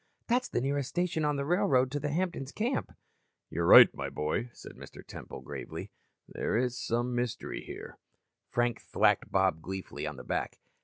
That's the nearest station on the railroad to the Hampton's camp." "You're right, my boy," said Mr. Temple gravely. "There is some mystery here." Frank thwacked Bob gleefully on the back.